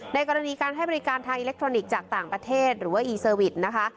กรณีการให้บริการทางอิเล็กทรอนิกส์จากต่างประเทศหรือว่าอีเซอร์วิสนะคะ